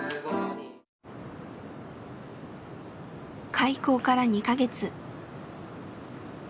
開校から２か月。